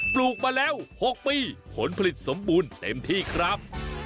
ลูกมาแล้ว๖ปีผลผลิตสมบูรณ์เต็มที่ครับ